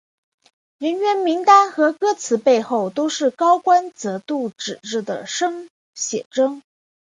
人员名单和歌词背后是高光泽度纸质的生写真。